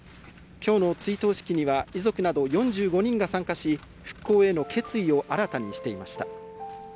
きょうの追悼式には遺族など４５人が参加し、復興への決意を新たにしていました。